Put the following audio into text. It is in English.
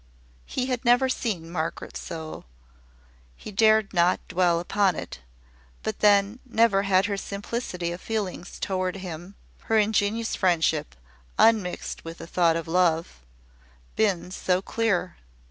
He had never seen Margaret so he dared not dwell upon it: but then, never had her simplicity of feeling towards him, her ingenuous friendship, unmixed with a thought of love, been so clear.